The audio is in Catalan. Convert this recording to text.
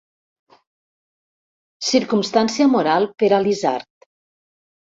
Circumstància moral per a l'isard.